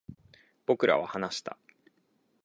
僕らは話した